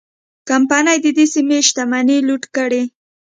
کمپنۍ د دې سیمې شتمنۍ لوټ کړې.